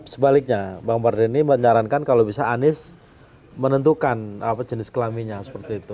sebaliknya bang mardhani menyarankan kalau bisa anies menentukan jenis kelaminnya seperti itu